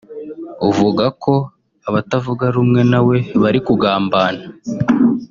uvuga ko abatavuga rumwe nawe bari kugambana